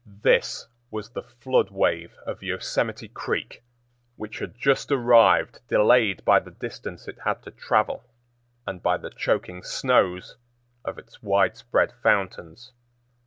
This was the flood wave of Yosemite Creek, which had just arrived delayed by the distance it had to travel, and by the choking snows of its widespread fountains.